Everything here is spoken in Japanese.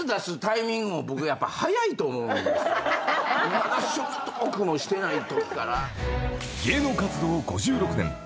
まだそんなトークもしてないときから。